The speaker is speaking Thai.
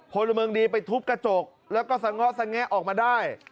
พลเมืองดีไปทุบกระจกแล้วก็สะเงาะสแงะออกมาได้